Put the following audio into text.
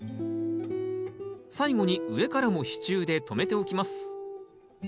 最後に上からも支柱で留めておきます